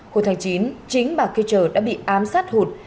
hồi tháng chín chính bà kircher đã bị ám sát hụt